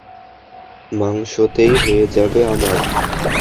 মাংসতেই হয়ে যাবে আমার।